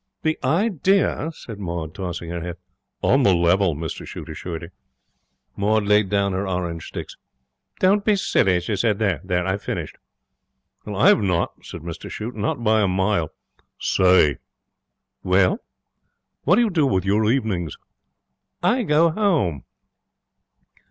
'The idea!' said Maud, tossing her head. 'On the level,' Mr Shute assured her. Maud laid down her orange sticks. 'Don't be silly,' she said. 'There I've finished.' 'I've not,' said Mr Shute. 'Not by a mile. Say!' 'Well?' 'What do you do with your evenings?' 'I go home.'